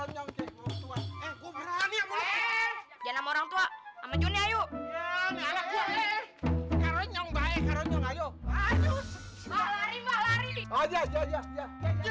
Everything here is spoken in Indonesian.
jangan mau orangtua amat juni ayo